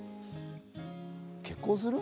結婚する？